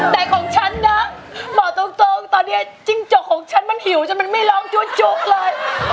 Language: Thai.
แต่ของฉันนะบอกตรงตอนนี้จิ้งจกของฉันมันหิวแต่มันไม่ร้องจุ๊บเลย